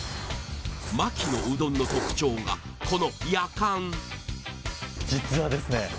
牧のうどんの特徴がこのやかん実はですね